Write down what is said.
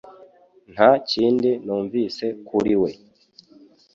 Nta kindi numvise kuri we